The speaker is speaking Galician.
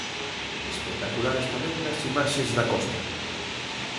Espectaculares tamén as imaxes da costa.